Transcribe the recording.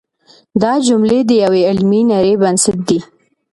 دا جملې د یوې علمي نړۍ بنسټ دی.